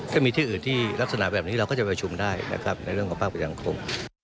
ถ้ามีที่อื่นที่ลักษณะแบบนี้เราก็จะประชุมได้นะครับในเรื่องของภาคประชาสังคม